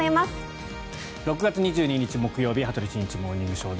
６月２２日、木曜日「羽鳥慎一モーニングショー」。